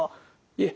いえ。